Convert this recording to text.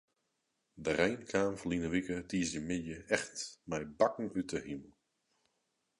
De rein kaam ferline wike tiisdeitemiddei echt mei bakken út de himel.